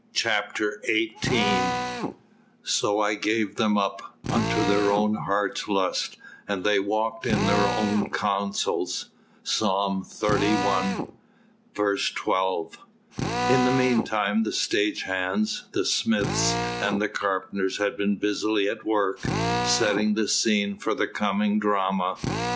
CHAPTER XVIII "So I gave them up unto their own heart's lust: and they walked in their own counsels." PSALMS LXXXI. 12. In the meanwhile the stage hands, the smiths and carpenters had been busily at work, setting the scene for the coming drama.